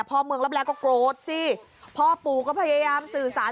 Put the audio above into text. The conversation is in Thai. พ่อเมืองรับแรงก็โกรธสิพ่อปู่ก็พยายามสื่อสาร